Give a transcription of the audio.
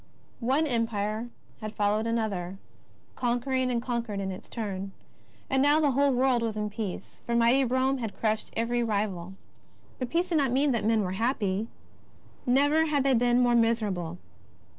One Empire had followed another, conquering and conquered in its turn. And now the whole world was in peace, for mighty Pome had crushed every rival. But peace did not mean that men were happy. 'Never had they been more miserable.